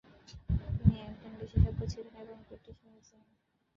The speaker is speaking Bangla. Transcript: তিনি একজন বিশেষজ্ঞ ছিলেন এবং ব্রিটিশ মিউজিয়াম।